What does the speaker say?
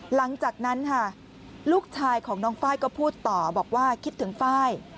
หลังจากนั้นค่ะลูกชายของน้องไฟล์ก็พูดต่อบอกว่าคิดถึงไฟล์